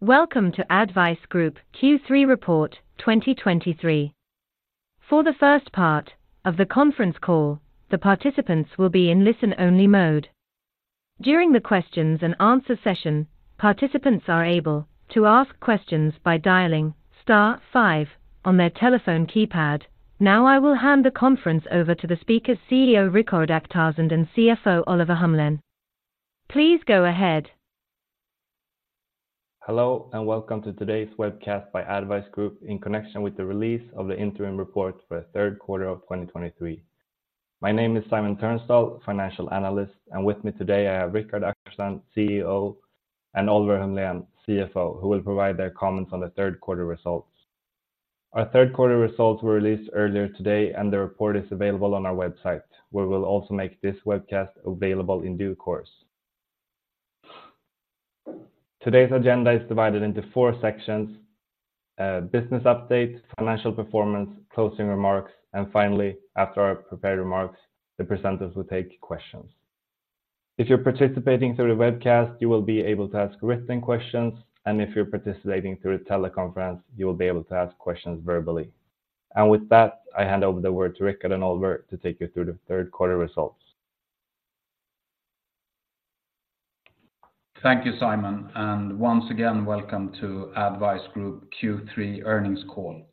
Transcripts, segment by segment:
Welcome to ADDvise Group Q3 Report 2023. For the first part of the conference call, the participants will be in listen-only mode. During the questions and answer session, participants are able to ask questions by dialing star five on their telephone keypad. Now, I will hand the conference over to the speakers, CEO Rikard Akhtarzand and CFO Oliver Humlen. Please go ahead. Hello, and welcome to today's webcast by ADDvise Group in connection with the release of the interim report for the third quarter of 2023. My name is Simon Tunstall, Financial Analyst, and with me today, I have Rikard Akhtarzand, CEO, and Oliver Humlen, CFO, who will provide their comments on the third quarter results. Our third quarter results were released earlier today, and the report is available on our website. We will also make this webcast available in due course. Today's agenda is divided into four sections: business update, financial performance, closing remarks, and finally, after our prepared remarks, the presenters will take questions. If you're participating through the webcast, you will be able to ask written questions, and if you're participating through a teleconference, you will be able to ask questions verbally. With that, I hand over the word to Rikard and Oliver to take you through the third quarter results. Thank you, Simon, and once again, welcome to ADDvise Group Q3 earnings call.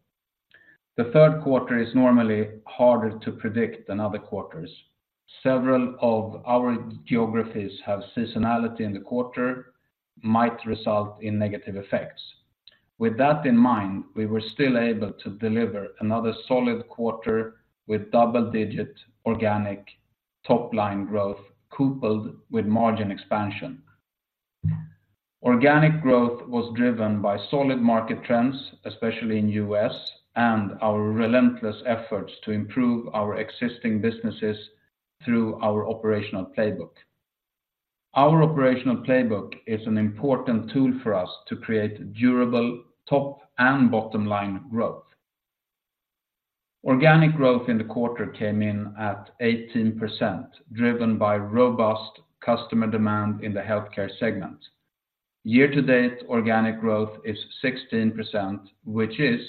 The third quarter is normally harder to predict than other quarters. Several of our geographies have seasonality in the quarter, might result in negative effects. With that in mind, we were still able to deliver another solid quarter with double-digit organic top-line growth, coupled with margin expansion. Organic growth was driven by solid market trends, especially in US, and our relentless efforts to improve our existing businesses through our operational playbook. Our operational playbook is an important tool for us to create durable top and bottom line growth. Organic growth in the quarter came in at 18%, driven by robust customer demand in the healthcare segment. Year-to-date, organic growth is 16%, which is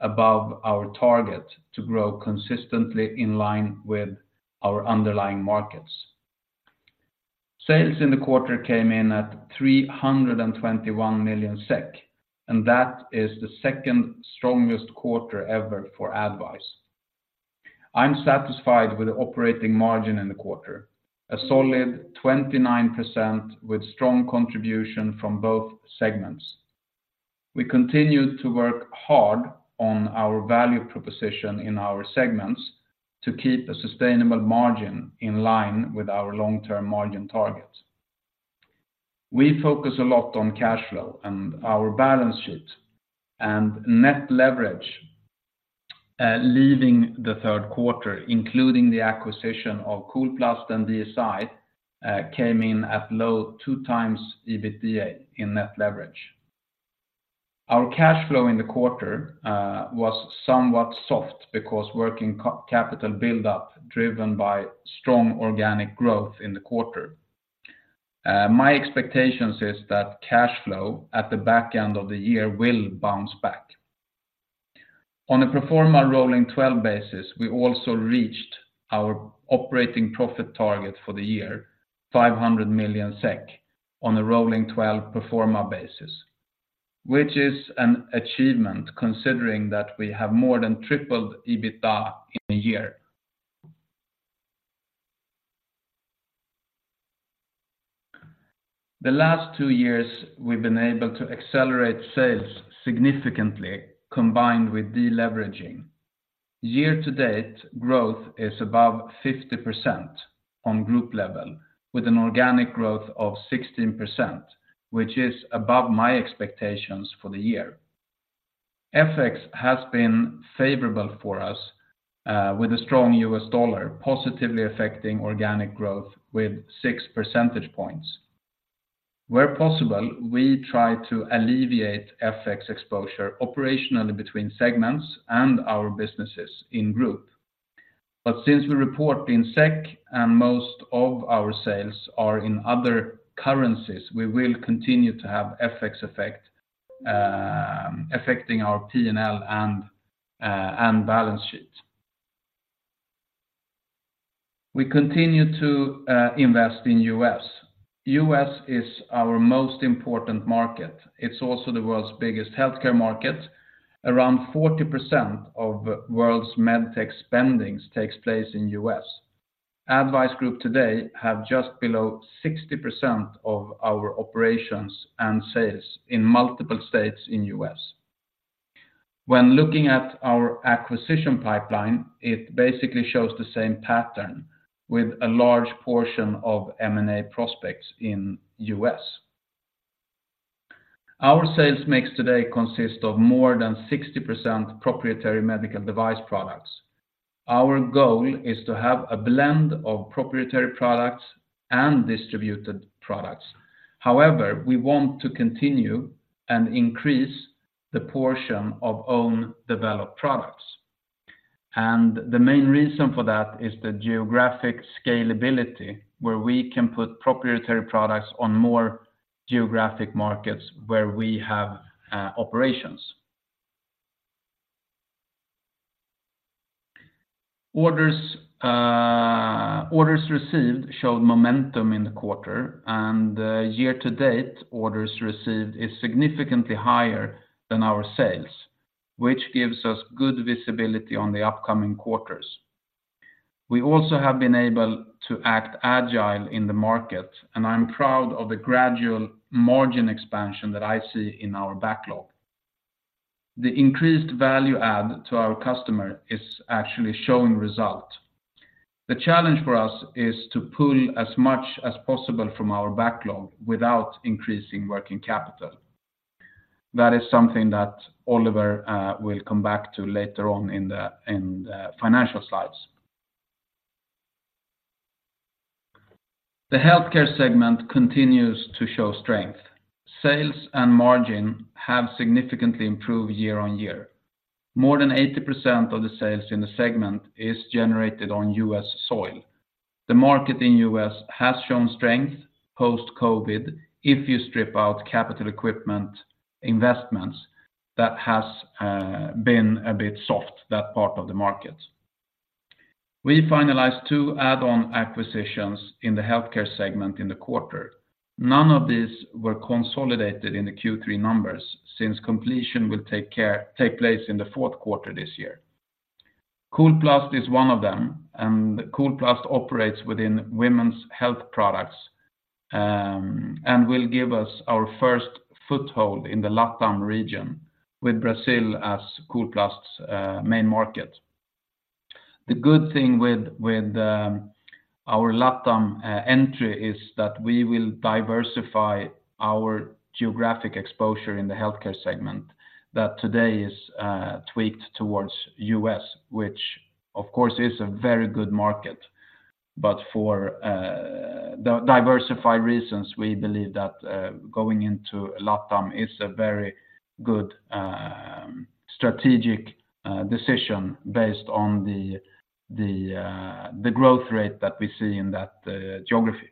above our target to grow consistently in line with our underlying markets. Sales in the quarter came in at 321 million SEK, and that is the second strongest quarter ever for ADDvise. I'm satisfied with the operating margin in the quarter, a solid 29% with strong contribution from both segments. We continued to work hard on our value proposition in our segments to keep a sustainable margin in line with our long-term margin targets. We focus a lot on cash flow and our balance sheet and net leverage, leaving the third quarter, including the acquisition of Kolplast and DSI, came in at low 2x EBITDA in net leverage. Our cash flow in the quarter was somewhat soft because working capital build up, driven by strong organic growth in the quarter. My expectations is that cash flow at the back end of the year will bounce back. On a Pro Forma Rolling Twelve basis, we also reached our operating profit target for the year, 5 million SEK on a Rolling Twelve Pro Forma basis, which is an achievement, considering that we have more than tripled EBITDA in a year. The last two years, we've been able to accelerate sales significantly, combined with deleveraging. Year-to-date, growth is above 50% on group level, with an organic growth of 16%, which is above my expectations for the year. FX has been favorable for us, with a strong U.S. dollar, positively affecting organic growth with 6 percentage points. Where possible, we try to alleviate FX exposure operationally between segments and our businesses in group. But since we report in SEK and most of our sales are in other currencies, we will continue to have FX effect, affecting our P&L and balance sheet. We continue to invest in U.S. U.S. is our most important market. It's also the world's biggest healthcare market. Around 40% of world's Medtech spending takes place in U.S. ADDvise Group today have just below 60% of our operations and sales in multiple states in U.S. When looking at our acquisition pipeline, it basically shows the same pattern with a large portion of M&A prospects in U.S. Our sales mix today consists of more than 60% proprietary medical device products. Our goal is to have a blend of proprietary products and distributed products. However, we want to continue and increase the portion of own developed products. The main reason for that is the geographic scalability, where we can put proprietary products on more geographic markets where we have operations. Orders, orders received showed momentum in the quarter, and, year-to-date orders received is significantly higher than our sales, which gives us good visibility on the upcoming quarters. We also have been able to act agile in the market, and I'm proud of the gradual margin expansion that I see in our backlog. The increased value-add to our customer is actually showing result. The challenge for us is to pull as much as possible from our backlog without increasing working capital. That is something that Oliver will come back to later on in the financial slides. The healthcare segment continues to show strength. Sales and margin have significantly improved year-on-year. More than 80% of the sales in the segment is generated on U.S. soil. The market in U.S. has shown strength post-COVID, if you strip out capital equipment investments, that has been a bit soft, that part of the market. We finalized two add-on acquisitions in the healthcare segment in the quarter. None of these were consolidated in the Q3 numbers, since completion will take place in the fourth quarter this year. Kolplast is one of them, and Kolplast operates within women's health products, and will give us our first foothold in the LATAM region, with Brazil as Kolplast' main market. The good thing with our LATAM entry is that we will diversify our geographic exposure in the healthcare segment. That today is tweaked towards U.S., which, of course, is a very good market. But for diversify reasons, we believe that going into LATAM is a very good strategic decision based on the growth rate that we see in that geography.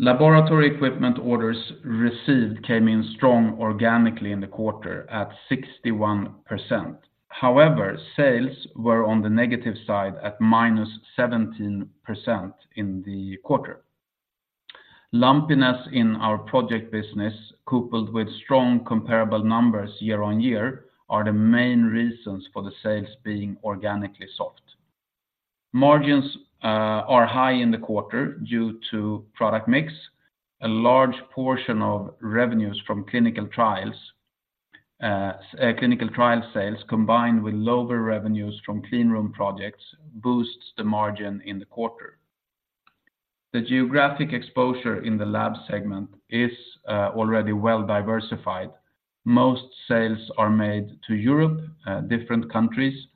Laboratory equipment orders received came in strong organically in the quarter at 61%. However, sales were on the negative side at -17% in the quarter. Lumpiness in our project business, coupled with strong comparable numbers year-on-year, are the main reasons for the sales being organically soft. Margins are high in the quarter due to product mix. A large portion of revenues from clinical trial sales, combined with lower revenues from clean room projects, boosts the margin in the quarter. The geographic exposure in the lab segment is already well diversified. Most sales are made to Europe, different countries,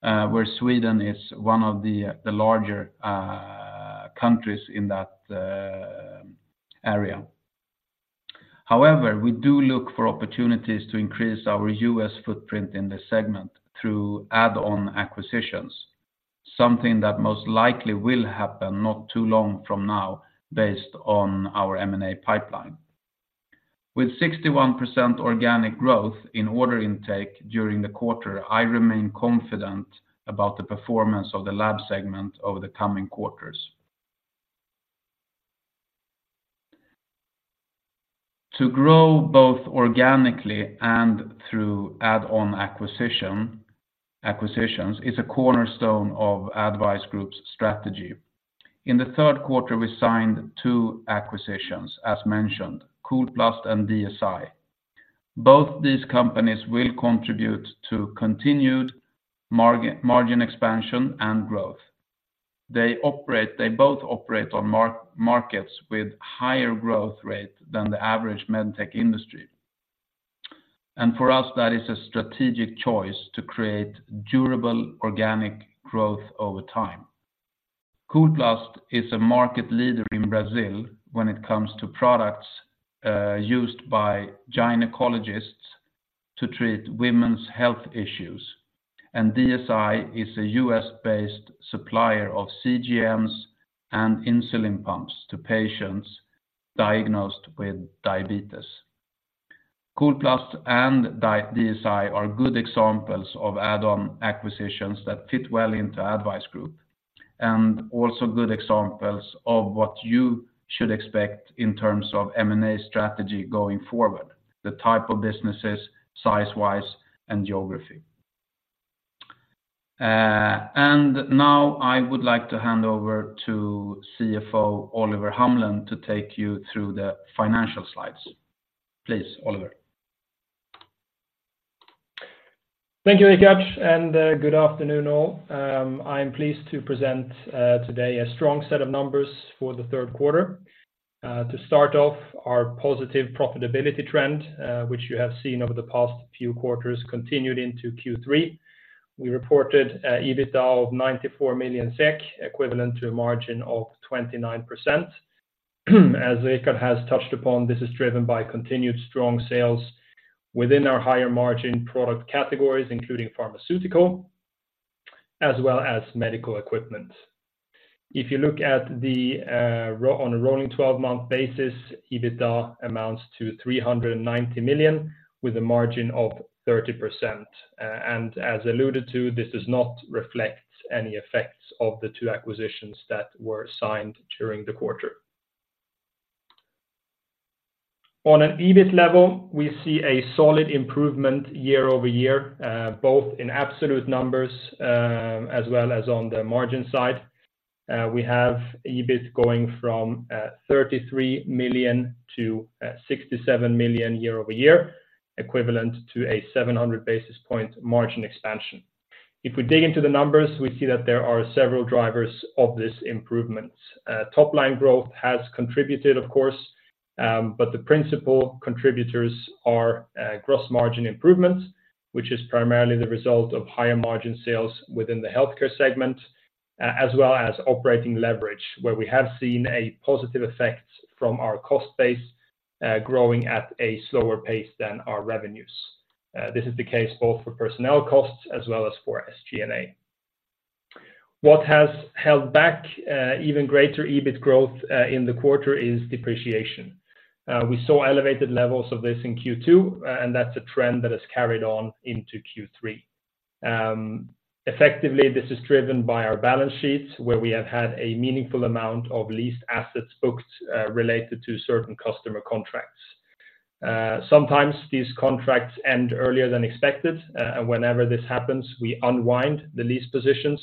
where Sweden is one of the larger countries in that area. However, we do look for opportunities to increase our U.S. footprint in this segment through add-on acquisitions, something that most likely will happen not too long from now based on our M&A pipeline. With 61% organic growth in order intake during the quarter, I remain confident about the performance of the lab segment over the coming quarters. To grow both organically and through add-on acquisitions is a cornerstone of ADDvise Group's strategy. In the third quarter, we signed two acquisitions, as mentioned, Kolplast and DSI. Both these companies will contribute to continued margin expansion and growth. They both operate on markets with higher growth rate than the average Medtech industry. For us, that is a strategic choice to create durable organic growth over time. Kolplast is a market leader in Brazil when it comes to products used by gynecologists to treat women's health issues. And DSI is a U.S.-based supplier of CGMs and insulin pumps to patients diagnosed with diabetes. Kolplast and DSI are good examples of add-on acquisitions that fit well into ADDvise Group, and also good examples of what you should expect in terms of M&A strategy going forward, the type of businesses, size-wise, and geography. And now I would like to hand over to CFO Oliver Humlen to take you through the financial slides. Please, Oliver. Thank you, Rikard, and good afternoon, all. I'm pleased to present today a strong set of numbers for the third quarter. To start off, our positive profitability trend, which you have seen over the past few quarters, continued into Q3. We reported EBITDA of 94 million SEK, equivalent to a margin of 29%.... as Rikard has touched upon, this is driven by continued strong sales within our higher margin product categories, including pharmaceutical, as well as medical equipment. If you look at the rolling twelve-month basis, EBITDA amounts to 390 million, with a margin of 30%. And as alluded to, this does not reflect any effects of the two acquisitions that were signed during the quarter. On an EBIT level, we see a solid improvement year-over-year, both in absolute numbers, as well as on the margin side. We have EBIT going from 33 million to 67 million year-over-year, equivalent to a 700 basis points margin expansion. If we dig into the numbers, we see that there are several drivers of this improvement. Top line growth has contributed, of course, but the principal contributors are gross margin improvement, which is primarily the result of higher margin sales within the healthcare segment, as well as operating leverage, where we have seen a positive effect from our cost base, growing at a slower pace than our revenues. This is the case both for personnel costs as well as for SG&A. What has held back even greater EBIT growth in the quarter is depreciation. We saw elevated levels of this in Q2, and that's a trend that has carried on into Q3. Effectively, this is driven by our balance sheets, where we have had a meaningful amount of leased assets booked related to certain customer contracts. Sometimes these contracts end earlier than expected, and whenever this happens, we unwind the lease positions,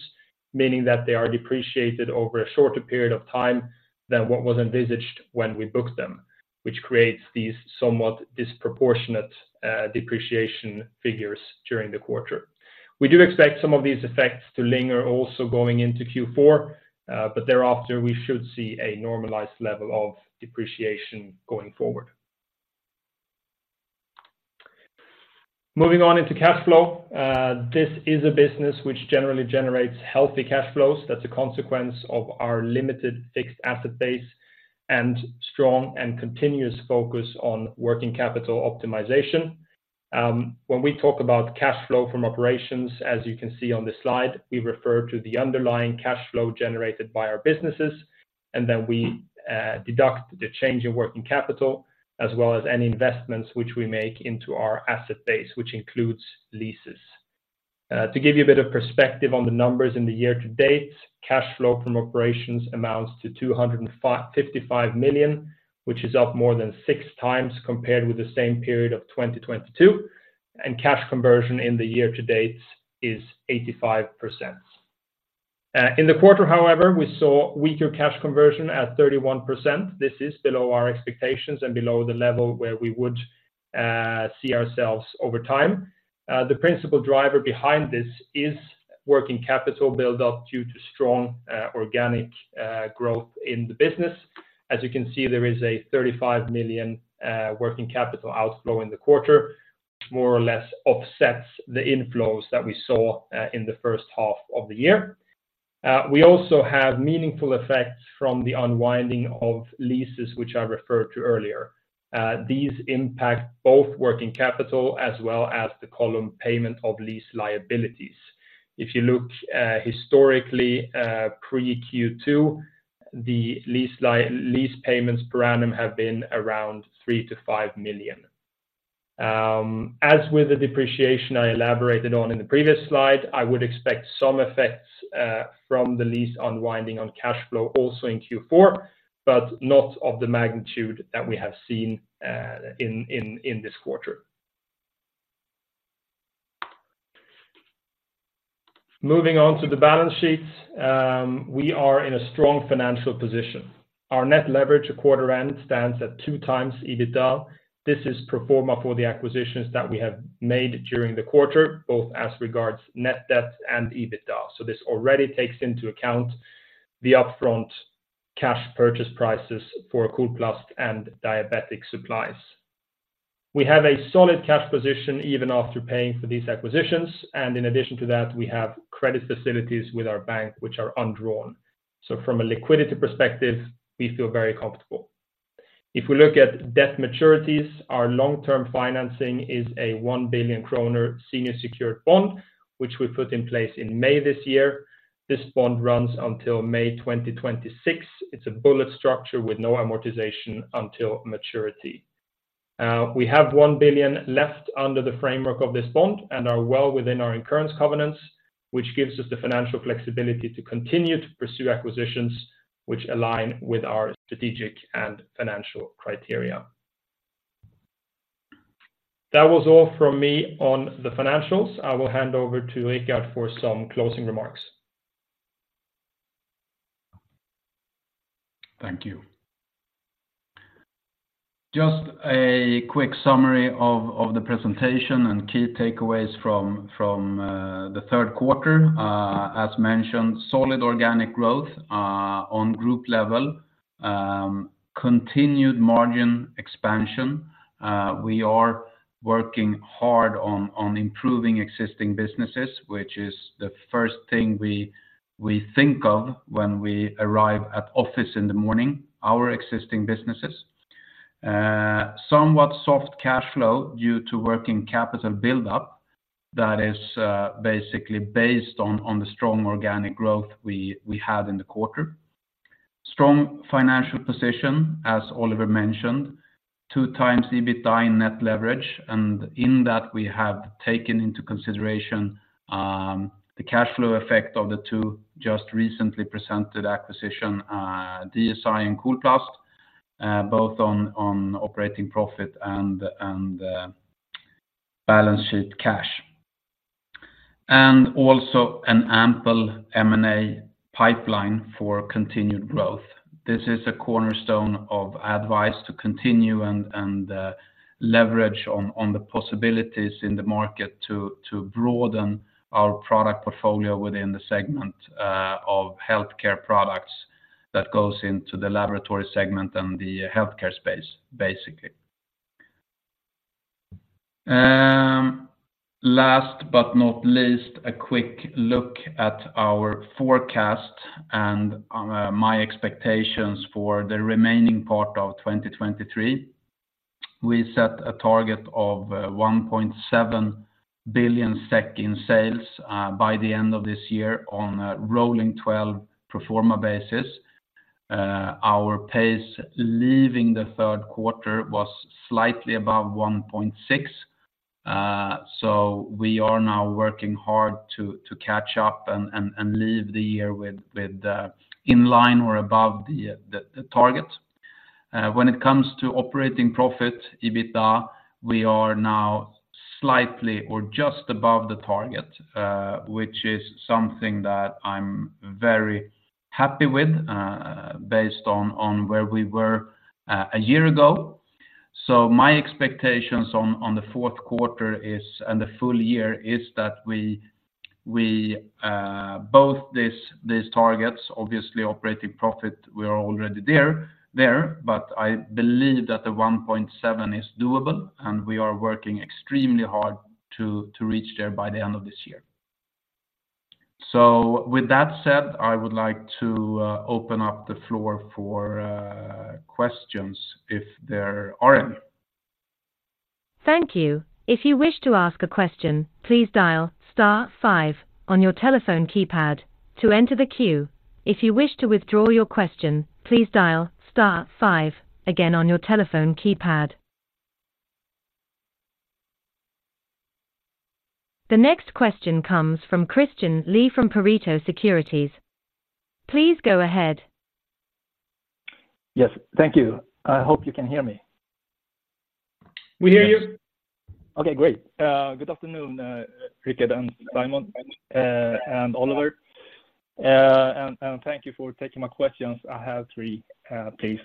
meaning that they are depreciated over a shorter period of time than what was envisaged when we booked them, which creates these somewhat disproportionate depreciation figures during the quarter. We do expect some of these effects to linger also going into Q4, but thereafter, we should see a normalized level of depreciation going forward. Moving on into cash flow. This is a business which generally generates healthy cash flows. That's a consequence of our limited fixed asset base and strong and continuous focus on working capital optimization. When we talk about cash flow from operations, as you can see on the slide, we refer to the underlying cash flow generated by our businesses, and then we deduct the change in working capital, as well as any investments which we make into our asset base, which includes leases. To give you a bit of perspective on the numbers in the year to date, cash flow from operations amounts to 255 million, which is up more than 6 times compared with the same period of 2022, and cash conversion in the year to date is 85%. In the quarter, however, we saw weaker cash conversion at 31%. This is below our expectations and below the level where we would see ourselves over time. The principal driver behind this is working capital build up due to strong organic growth in the business. As you can see, there is a 35 million working capital outflow in the quarter, which more or less offsets the inflows that we saw in the first half of the year. We also have meaningful effects from the unwinding of leases, which I referred to earlier. These impact both working capital as well as the column payment of lease liabilities. If you look historically, pre-Q2, the lease payments per annum have been around 3 million-5 million. As with the depreciation I elaborated on in the previous slide, I would expect some effects from the lease unwinding on cash flow also in Q4, but not of the magnitude that we have seen in this quarter. Moving on to the balance sheets. We are in a strong financial position. Our net leverage quarter end stands at 2x EBITDA. This is pro forma for the acquisitions that we have made during the quarter, both as regards net debt and EBITDA. So this already takes into account the upfront cash purchase prices for Kolplast and Diabetic Supplies. We have a solid cash position, even after paying for these acquisitions, and in addition to that, we have credit facilities with our bank, which are undrawn. So from a liquidity perspective, we feel very comfortable. If we look at debt maturities, our long-term financing is a 1 billion kronor senior secured bond, which we put in place in May this year. This bond runs until May 2026. It's a bullet structure with no amortization until maturity. We have 1 billion left under the framework of this bond and are well within our incurrence covenants, which gives us the financial flexibility to continue to pursue acquisitions which align with our strategic and financial criteria. That was all from me on the financials. I will hand over to Rikard for some closing remarks. Thank you. Just a quick summary of the presentation and key takeaways from the third quarter. As mentioned, solid organic growth on group level, continued margin expansion. We are working hard on improving existing businesses, which is the first thing we think of when we arrive at office in the morning, our existing businesses. Somewhat soft cash flow due to working capital buildup that is basically based on the strong organic growth we had in the quarter. Strong financial position, as Oliver mentioned, 2x EBITDA in net leverage, and in that, we have taken into consideration the cash flow effect of the two just recently presented acquisition, DSI and Kolplast, both on operating profit and balance sheet cash. And also an ample M&A pipeline for continued growth. This is a cornerstone of ADDvise to continue and leverage on the possibilities in the market to broaden our product portfolio within the segment of healthcare products that goes into the laboratory segment and the healthcare space, basically. Last but not least, a quick look at our forecast and my expectations for the remaining part of 2023. We set a target of 1.7 billion SEK in sales by the end of this year on a Rolling Twelve pro forma basis. Our pace leaving the third quarter was slightly above 1.6 billion. So we are now working hard to catch up and leave the year with in line or above the target. When it comes to operating profit, EBITDA, we are now slightly or just above the target, which is something that I'm very happy with, based on where we were a year ago. So my expectations on the fourth quarter is, and the full year is that we both these targets, obviously, operating profit, we are already there, but I believe that the 1.7 is doable, and we are working extremely hard to reach there by the end of this year. So with that said, I would like to open up the floor for questions if there are any. Thank you. If you wish to ask a question, please dial star five on your telephone keypad to enter the queue. If you wish to withdraw your question, please dial star five again on your telephone keypad. The next question comes from Christian Lee from Pareto Securities. Please go ahead. Yes, thank you. I hope you can hear me. We hear you. Okay, great. Good afternoon, Rikard and Simon, and Oliver, and thank you for taking my questions. I have three, please.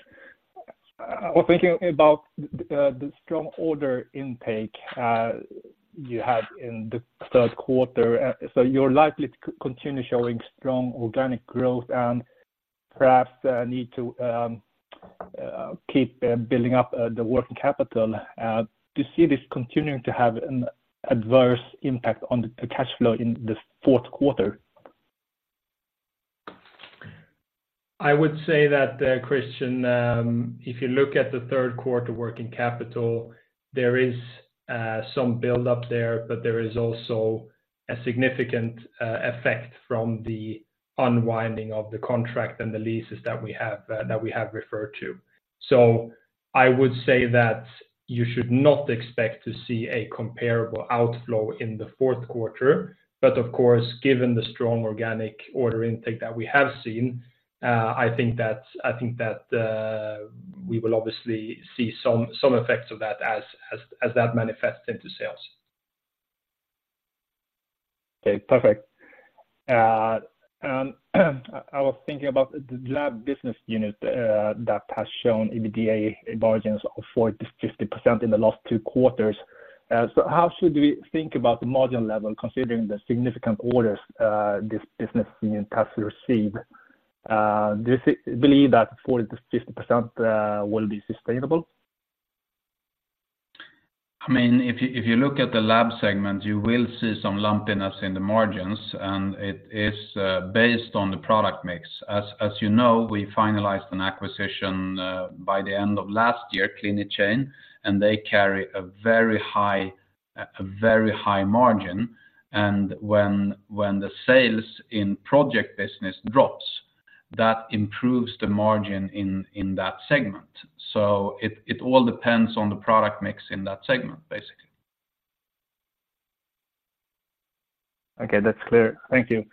I was thinking about the strong order intake you had in the third quarter. So you're likely to continue showing strong organic growth and perhaps need to keep building up the working capital. Do you see this continuing to have an adverse impact on the cash flow in the fourth quarter? I would say that, Christian, if you look at the third quarter working capital, there is some buildup there, but there is also a significant effect from the unwinding of the contract and the leases that we have, that we have referred to. So I would say that you should not expect to see a comparable outflow in the fourth quarter, but of course, given the strong organic order intake that we have seen, I think that, I think that, we will obviously see some, some effects of that as, as, as that manifests into sales. Okay, perfect. And I was thinking about the lab business unit, that has shown EBITDA margins of 40%-50% in the last two quarters. So how should we think about the margin level, considering the significant orders, this business unit has received? Do you believe that 40%-50% will be sustainable? I mean, if you, if you look at the lab segment, you will see some lumpiness in the margins, and it is, based on the product mix. As, as you know, we finalized an acquisition, by the end of last year, Clinitube, and they carry a very high, a very high margin. And when, when the sales in project business drops, that improves the margin in, in that segment. So it, it all depends on the product mix in that segment, basically. Okay, that's clear. Thank you.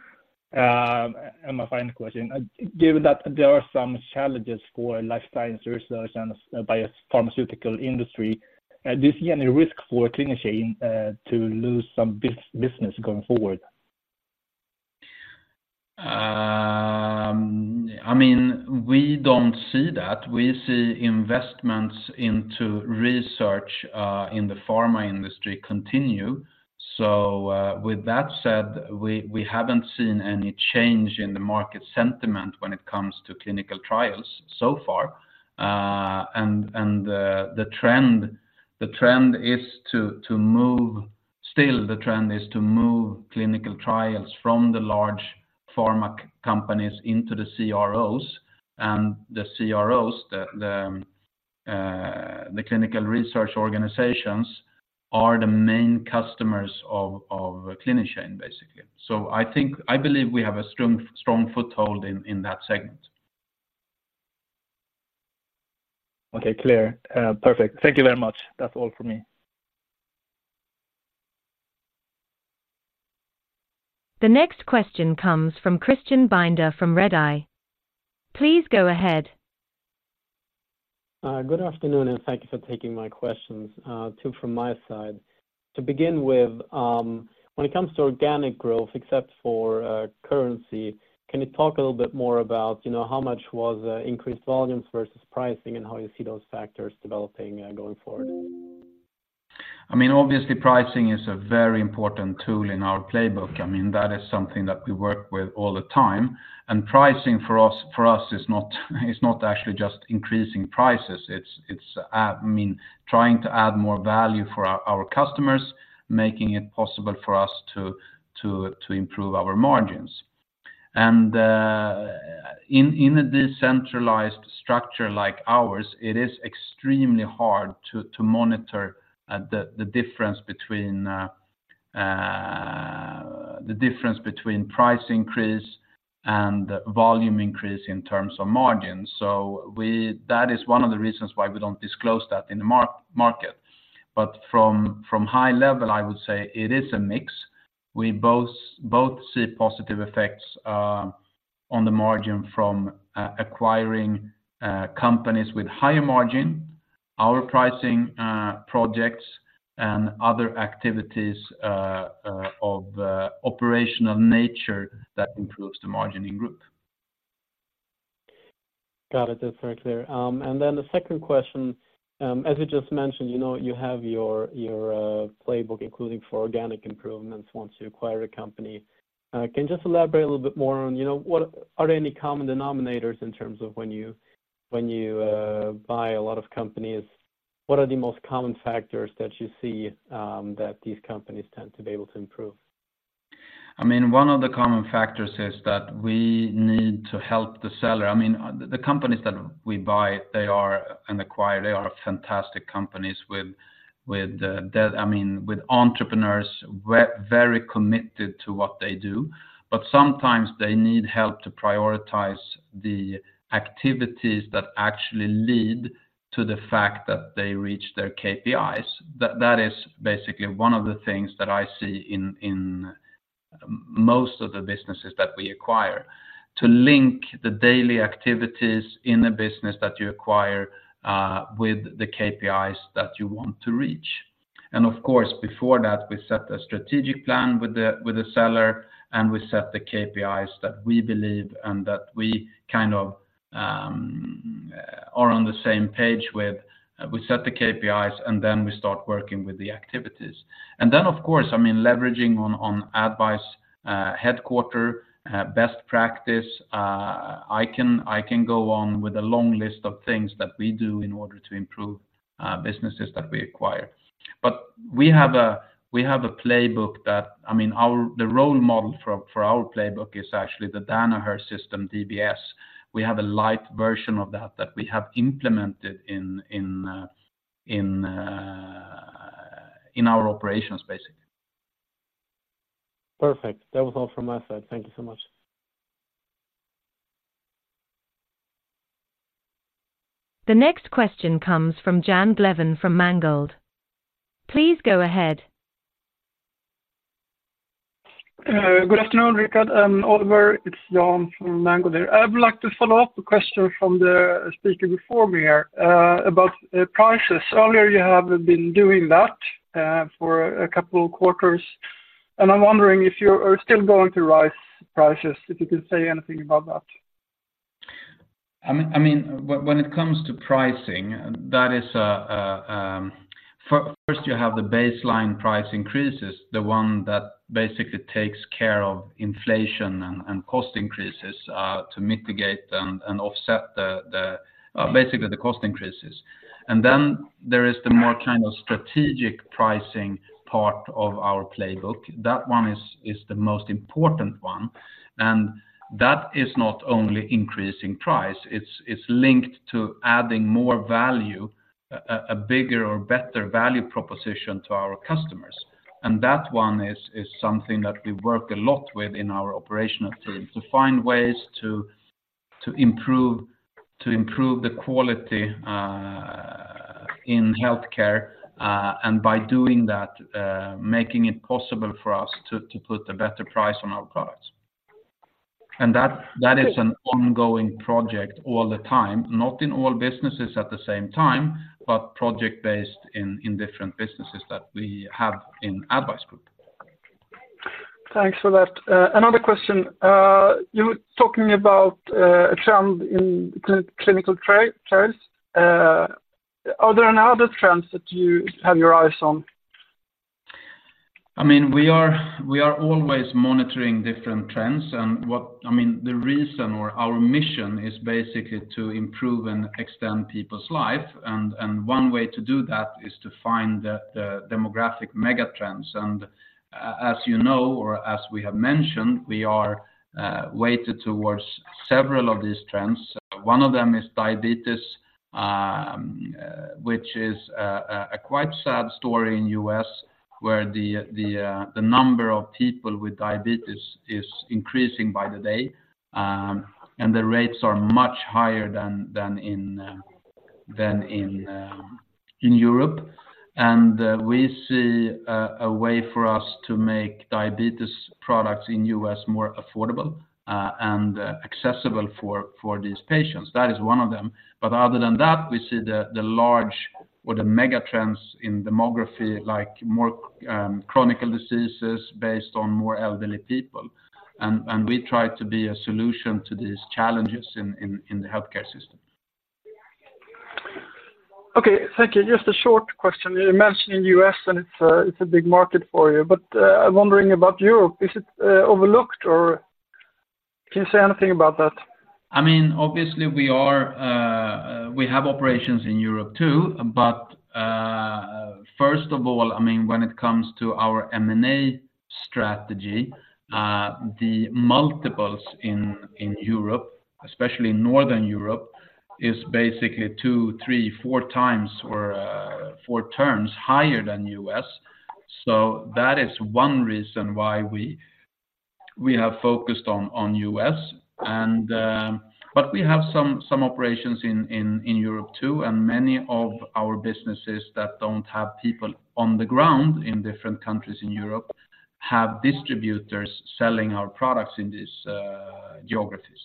My final question. Given that there are some challenges for life science research and biopharmaceutical industry, do you see any risk for Clinitube to lose some business going forward? I mean, we don't see that. We see investments into research in the pharma industry continue. So, with that said, we haven't seen any change in the market sentiment when it comes to clinical trials so far. And the trend is to move clinical trials from the large pharma companies into the CROs, and the CROs, the clinical research organizations are the main customers of Clinitube, basically. So I think, I believe we have a strong foothold in that segment. Okay, clear. Perfect. Thank you very much. That's all for me. The next question comes from Christian Binder from Redeye. Please go ahead. Good afternoon, and thank you for taking my questions, two from my side. To begin with, when it comes to organic growth, except for currency, can you talk a little bit more about, you know, how much was increased volumes versus pricing, and how you see those factors developing going forward? I mean, obviously, pricing is a very important tool in our playbook. I mean, that is something that we work with all the time, and pricing for us, for us is not, is not actually just increasing prices, it's, it's I mean, trying to add more value for our, our customers, making it possible for us to, to, to improve our margins. And, in, in a decentralized structure like ours, it is extremely hard to, to monitor, the, the difference between, the difference between price increase and volume increase in terms of margins. So, that is one of the reasons why we don't disclose that in the market. But from, from high level, I would say it is a mix. We both see positive effects on the margin from acquiring companies with higher margin, our pricing projects, and other activities of operational nature that improves the margin in group. Got it. That's very clear. And then the second question, as you just mentioned, you know, you have your, your, playbook, including for organic improvements once you acquire a company. Can you just elaborate a little bit more on, you know, what are there any common denominators in terms of when you, when you, buy a lot of companies, what are the most common factors that you see, that these companies tend to be able to improve? I mean, one of the common factors is that we need to help the seller. I mean, the companies that we buy and acquire, they are fantastic companies with entrepreneurs very committed to what they do, but sometimes they need help to prioritize the activities that actually lead to the fact that they reach their KPIs. That is basically one of the things that I see in most of the businesses that we acquire, to link the daily activities in a business that you acquire with the KPIs that you want to reach. And of course, before that, we set a strategic plan with the seller, and we set the KPIs that we believe and that we kind of are on the same page with. We set the KPIs, and then we start working with the activities. Then, of course, I mean, leveraging on ADDvise headquarters best practices, I can go on with a long list of things that we do in order to improve businesses that we acquire. But we have a playbook that, I mean, our, the role model for our playbook is actually the Danaher System, DBS. We have a light version of that that we have implemented in our operations, basically. Perfect. That was all from my side. Thank you so much. The next question comes from Jan Glevén from Mangold. Please go ahead. Good afternoon, Rikard and Oliver. It's Jan from Mangold here. I would like to follow up a question from the speaker before me here, about prices. Earlier, you have been doing that, for a couple of quarters, and I'm wondering if you are still going to rise prices, if you could say anything about that. I mean, when it comes to pricing, that is. First you have the baseline price increases, the one that basically takes care of inflation and cost increases to mitigate and offset the basically the cost increases. And then there is the more kind of strategic pricing part of our playbook. That one is the most important one, and that is not only increasing price, it's linked to adding more value, a bigger or better value proposition to our customers. And that one is something that we work a lot with in our operational team to find ways to improve the quality in healthcare, and by doing that, making it possible for us to put a better price on our products. That, that is an ongoing project all the time, not in all businesses at the same time, but project-based in different businesses that we have in ADDvise Group.... Thanks for that. Another question. You were talking about a trend in clinical trials. Are there any other trends that you have your eyes on? I mean, we are, we are always monitoring different trends and what, I mean, the reason or our mission is basically to improve and extend people's life, and, and one way to do that is to find the, the demographic megatrends. As you know, or as we have mentioned, we are weighted towards several of these trends. One of them is diabetes, which is a quite sad story in U.S., where the, the, the number of people with diabetes is increasing by the day, and the rates are much higher than in Europe. And we see a way for us to make diabetes products in U.S. more affordable, and accessible for these patients. That is one of them. But other than that, we see the large or the megatrends in demography, like more chronic diseases based on more elderly people. And we try to be a solution to these challenges in the healthcare system. Okay, thank you. Just a short question. You mentioned in U.S., and it's a, it's a big market for you, but, I'm wondering about Europe. Is it overlooked, or can you say anything about that? I mean, obviously, we have operations in Europe, too. But first of all, I mean, when it comes to our M&A strategy, the multiples in Europe, especially in Northern Europe, are basically 2x, 3x, 4x or 4 terms higher than U.S. So that is one reason why we have focused on U.S. But we have some operations in Europe, too, and many of our businesses that don't have people on the ground in different countries in Europe have distributors selling our products in these geographies.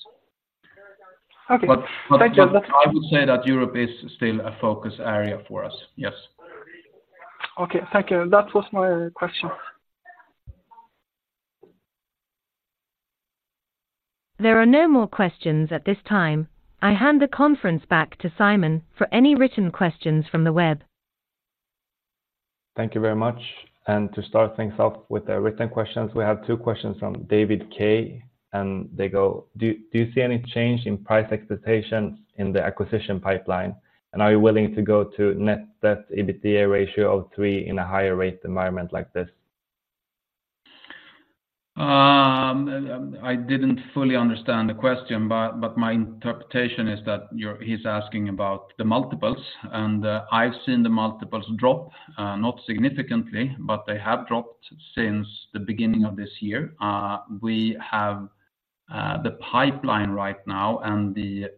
Okay. Thank you. But I would say that Europe is still a focus area for us. Yes. Okay, thank you. That was my question. There are no more questions at this time. I hand the conference back to Simon for any written questions from the web. Thank you very much. To start things off with the written questions, we have two questions from David K., and they go: Do you see any change in price expectations in the acquisition pipeline? And are you willing to go to net debt EBITDA ratio of three in a higher rate environment like this? I didn't fully understand the question, but my interpretation is that he's asking about the multiples, and I've seen the multiples drop, not significantly, but they have dropped since the beginning of this year. We have the pipeline right now, and the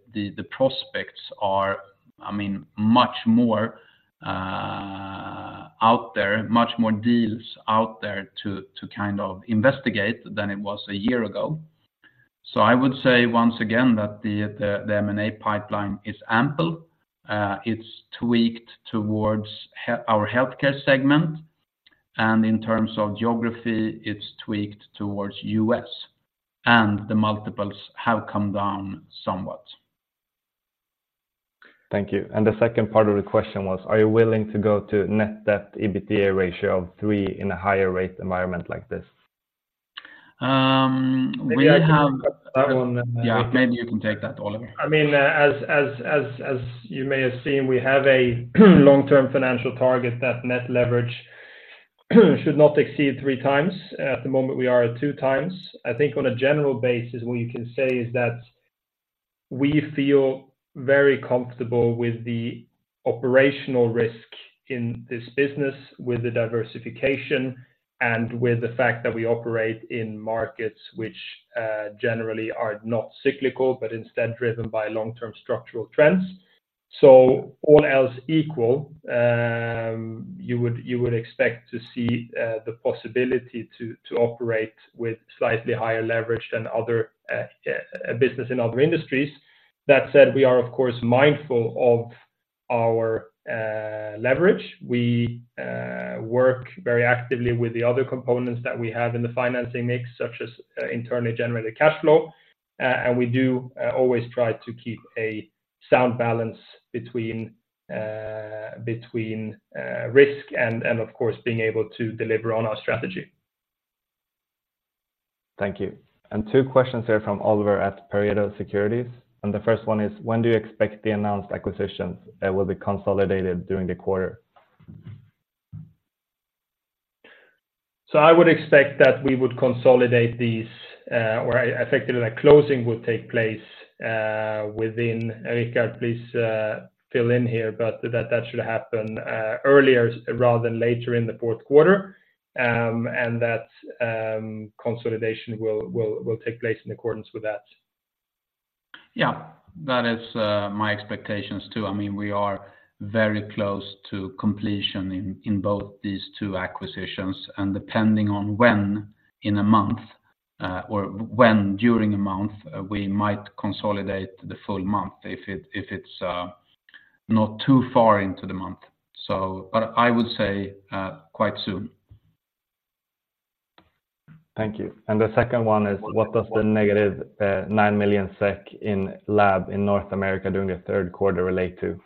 prospects are, I mean, much more out there, much more deals out there to kind of investigate than it was a year ago. So I would say, once again, that the M&A pipeline is ample. It's tweaked towards our healthcare segment, and in terms of geography, it's tweaked towards U.S., and the multiples have come down somewhat. Thank you. The second part of the question was, are you willing to go to net debt EBITDA ratio of three in a higher rate environment like this? We have- Maybe I can take that one. Yeah, maybe you can take that, Oliver. I mean, as you may have seen, we have a long-term financial target that net leverage should not exceed 3x. At the moment, we are at 2x. I think on a general basis, what you can say is that we feel very comfortable with the operational risk in this business, with the diversification and with the fact that we operate in markets which generally are not cyclical, but instead driven by long-term structural trends. So all else equal, you would expect to see the possibility to operate with slightly higher leverage than other business in other industries. That said, we are, of course, mindful of our leverage. We work very actively with the other components that we have in the financing mix, such as internally generated cash flow. We do always try to keep a sound balance between risk and, of course, being able to deliver on our strategy. Thank you. Two questions here from Oliver at Pareto Securities, and the first one is: When do you expect the announced acquisitions will be consolidated during the quarter? So I would expect that we would consolidate these, or I think that a closing will take place within... Rikard, please, fill in here, but that should happen earlier rather than later in the fourth quarter. And that consolidation will take place in accordance with that. Yeah, that is my expectations, too. I mean, we are very close to completion in both these two acquisitions, and depending on when in a month or when during a month, we might consolidate the full month, if it's not too far into the month. So but I would say quite soon. Thank you. And the second one is, what does the negative 9 million SEK in lab in North America during the third quarter relate to?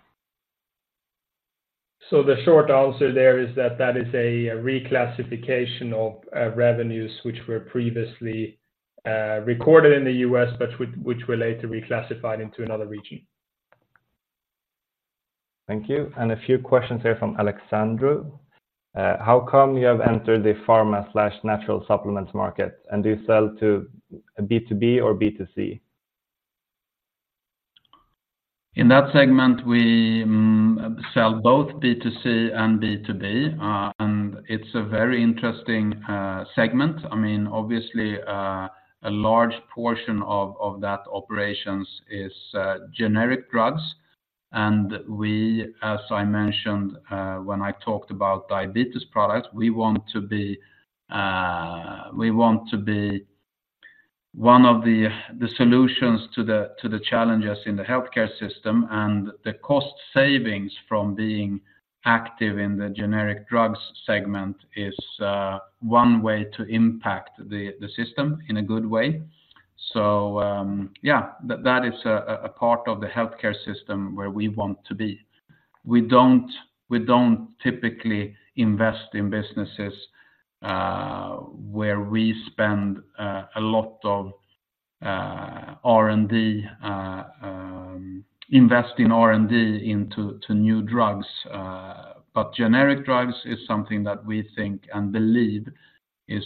The short answer there is that that is a reclassification of revenues which were previously recorded in the U.S., but which were later reclassified into another region. Thank you, and a few questions here from Alexandru. How come you have entered the pharma/natural supplements market, and do you sell to B2B or B2C? In that segment, we sell both B2C and B2B. And it's a very interesting segment. I mean, obviously, a large portion of that operations is generic drugs. And we, as I mentioned, when I talked about diabetes products, we want to be, we want to be one of the solutions to the challenges in the healthcare system, and the cost savings from being active in the generic drugs segment is one way to impact the system in a good way. So, yeah, that is a part of the healthcare system where we want to be. We don't typically invest in businesses where we spend a lot of R&D invest in R&D into new drugs, but generic drugs is something that we think and believe is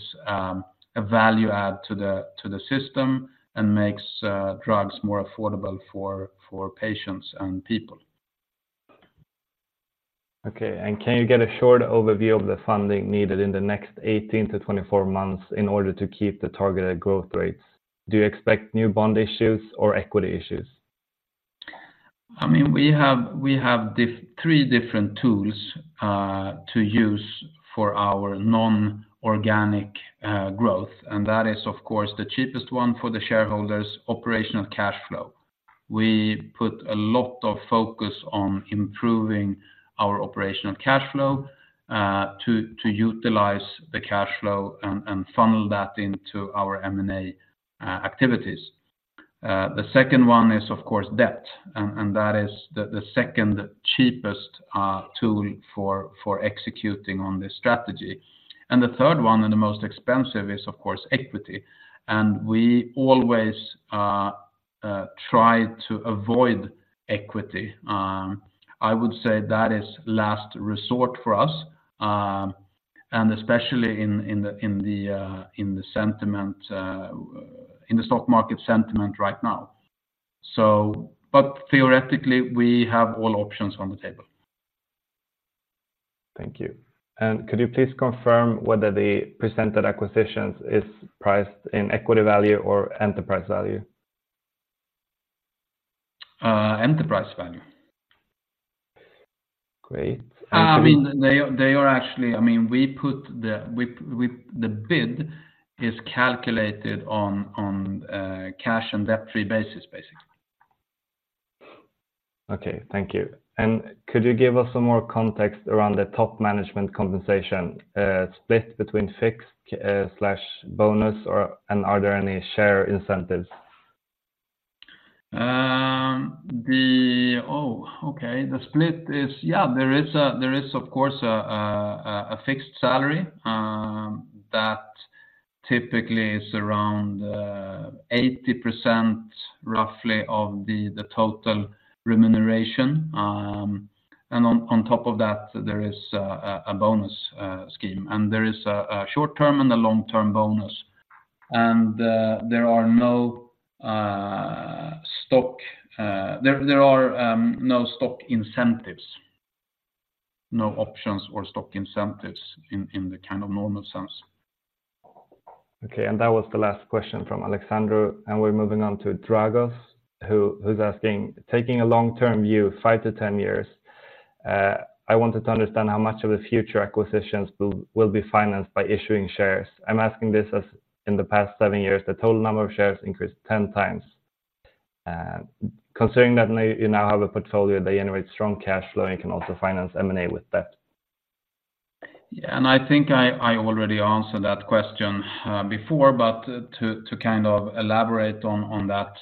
a value add to the system and makes drugs more affordable for patients and people. Okay, and can you get a short overview of the funding needed in the next 18-24 months in order to keep the targeted growth rates? Do you expect new bond issues or equity issues? I mean, we have three different tools to use for our non-organic growth, and that is, of course, the cheapest one for the shareholders, operational cash flow. We put a lot of focus on improving our operational cash flow to utilize the cash flow and funnel that into our M&A activities. The second one is, of course, debt, and that is the second cheapest tool for executing on this strategy. And the third one, the most expensive, is, of course, equity. And we always try to avoid equity. I would say that is last resort for us, and especially in the stock market sentiment right now. But theoretically, we have all options on the table. Thank you. Could you please confirm whether the presented acquisitions is priced in equity value or enterprise value? Enterprise value. Great. I mean, they are actually, I mean, the bid is calculated on cash and debt-free basis, basically. Okay, thank you. And could you give us some more context around the top management compensation, split between fixed, slash bonus, or, and are there any share incentives? The split is, yeah, there is a, there is, of course, a fixed salary that typically is around 80%, roughly, of the total remuneration. And on top of that, there is a bonus scheme, and there is a short-term and a long-term bonus. And there are no stock incentives, no options or stock incentives in the kind of normal sense. Okay, and that was the last question from Alexandru, and we're moving on to Dragos, who, who's asking: Taking a long-term view, 5-10 years, I wanted to understand how much of the future acquisitions will, will be financed by issuing shares. I'm asking this as in the past 7 years, the total number of shares increased 10 times. Considering that now you now have a portfolio, they generate strong cash flow, and you can also finance M&A with that. Yeah, and I think I already answered that question before, but to kind of elaborate on that,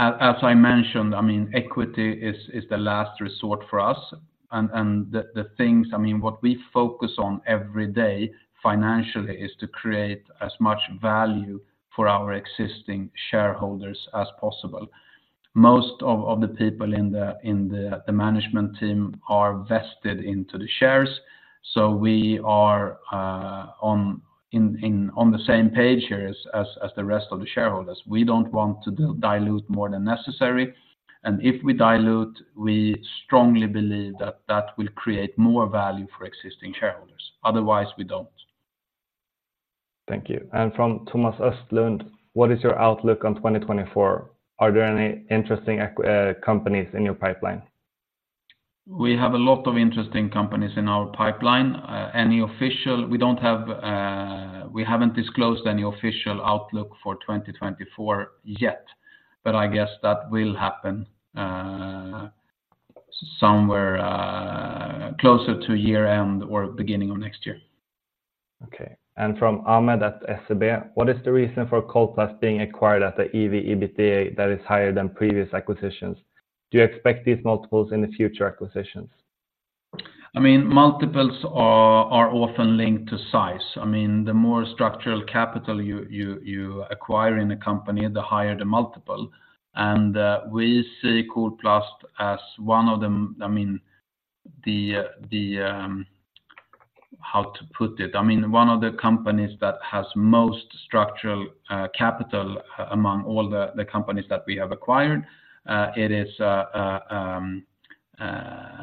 as I mentioned, I mean, equity is the last resort for us. And the things, I mean, what we focus on every day financially, is to create as much value for our existing shareholders as possible. Most of the people in the management team are vested into the shares, so we are on the same page here as the rest of the shareholders. We don't want to dilute more than necessary, and if we dilute, we strongly believe that that will create more value for existing shareholders, otherwise, we don't. Thank you. From Thomas Östlund: What is your outlook on 2024? Are there any interesting companies in your pipeline?... We have a lot of interesting companies in our pipeline. Any official, we don't have, we haven't disclosed any official outlook for 2024 yet, but I guess that will happen, somewhere, closer to year-end or beginning of next year. Okay. From Ahmed at SEB, what is the reason for Kolplast being acquired at the EV/EBITDA that is higher than previous acquisitions? Do you expect these multiples in the future acquisitions? I mean, multiples are often linked to size. I mean, the more structural capital you acquire in a company, the higher the multiple. And we see Kolplast as one of them - I mean, the, how to put it? I mean, one of the companies that has most structural capital among all the companies that we have acquired, it is,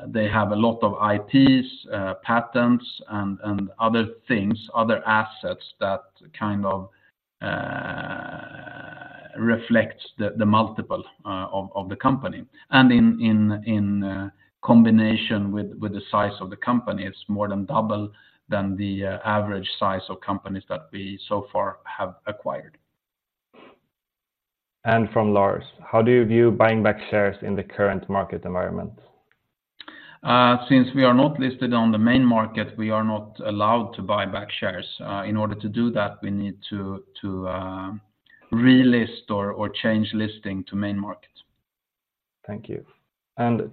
they have a lot of IPs, patents, and other things, other assets that kind of reflects the multiple of the company. And in combination with the size of the company, it's more than double than the average size of companies that we so far have acquired. From Lars: How do you view buying back shares in the current market environment? Since we are not listed on the main market, we are not allowed to buy back shares. In order to do that, we need to relist or change listing to main market. Thank you.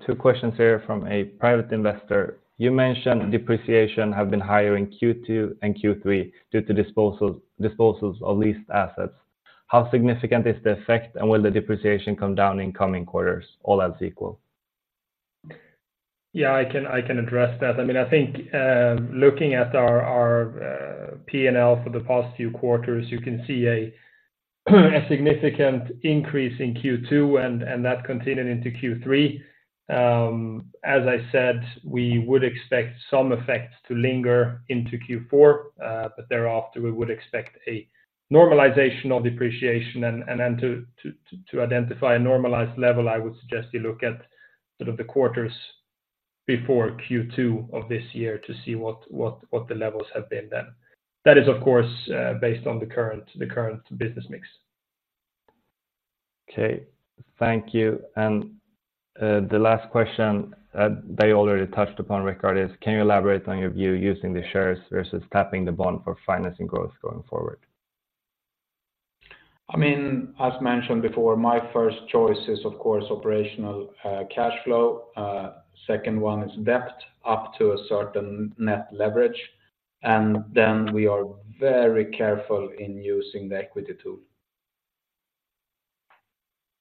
Two questions here from a private investor. You mentioned depreciation have been higher in Q2 and Q3 due to disposals, disposals of leased assets. How significant is the effect, and will the depreciation come down in coming quarters, all else equal? Yeah, I can, I can address that. I mean, I think, looking at our, our, P&L for the past few quarters, you can see a significant increase in Q2, and that continued into Q3. As I said, we would expect some effects to linger into Q4, but thereafter, we would expect a normalization of depreciation. And then to identify a normalized level, I would suggest you look at sort of the quarters before Q2 of this year to see what the levels have been then. That is, of course, based on the current, the current business mix. Okay. Thank you. And, the last question, they already touched upon, Rikard, is: Can you elaborate on your view using the shares versus tapping the bond for financing growth going forward? I mean, as mentioned before, my first choice is, of course, operational cash flow. Second one is debt up to a certain Net Leverage, and then we are very careful in using the equity tool.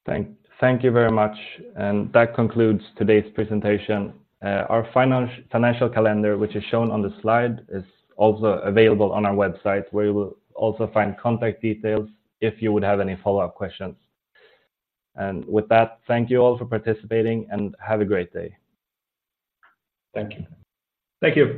Thank you very much. And that concludes today's presentation. Our financial calendar, which is shown on the slide, is also available on our website, where you will also find contact details if you would have any follow-up questions. And with that, thank you all for participating, and have a great day. Thank you. Thank you.